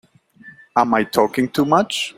Am I talking too much?